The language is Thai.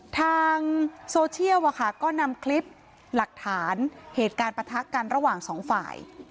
ทางโซเชียลก็นำคลิปหลักฐานเหตุการณ์ปะทะกันระหว่างสองฝ่าย